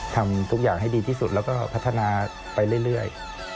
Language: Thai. ทำทุกอย่างให้ดีที่สุดแล้วก็พัฒนาไปเรื่อย